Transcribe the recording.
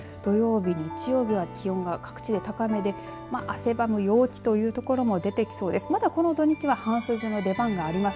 土曜日日曜日は気温が各地で高めで汗ばむ陽気という所も出てきそうです。